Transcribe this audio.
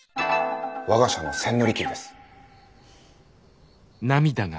「我が社の千利休です」。